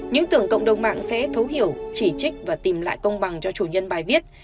những tưởng cộng đồng mạng sẽ thấu hiểu chỉ trích và tìm lại công bằng cho chủ nhân bài viết